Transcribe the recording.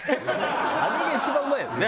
あれが一番うまいよね。